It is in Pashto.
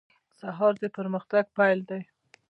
سهار د پرمختګ پیل دی.